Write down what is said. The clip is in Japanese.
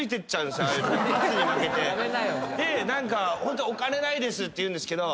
でお金ないですって言うんですけど